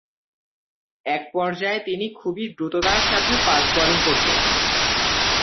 এক পর্যায়ে তিনি খুবই দ্রুততার সাথে ফাস্ট বোলিং করতেন।